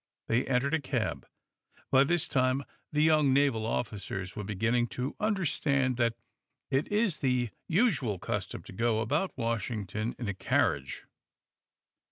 They entered a cab. By this time the young naval officers were beginning to understand that it is the usual custom to go about Washington in a carriage.